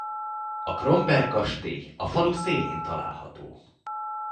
A Kromberk-kastély a falu szélén található.